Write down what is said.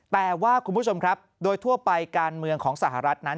แต่ว่าคุณผู้ชมครับโดยทั่วไปการเมืองของสหรัฐนั้น